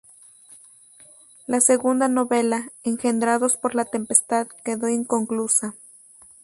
Su segunda novela, "Engendrados por la tempestad", quedó inconclusa.